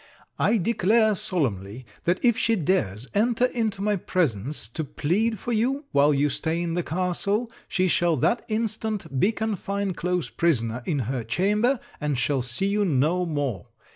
I declare solemnly, that if she dares enter into my presence to plead for you, while you stay in the castle, she shall that instant be confined close prisoner in her chamber, and shall see you no more.